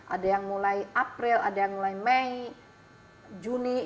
ada yang mulai april ada yang mulai mei juni